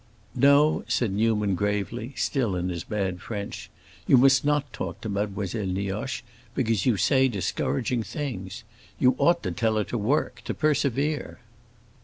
"No," said Newman, gravely, still in his bad French, "you must not talk to Mademoiselle Nioche, because you say discouraging things. You ought to tell her to work, to persevere."